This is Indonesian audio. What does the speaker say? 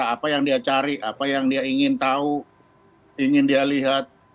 apa yang dia cari apa yang dia ingin tahu ingin dia lihat